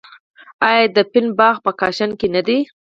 آیا د فین باغ په کاشان کې نه دی؟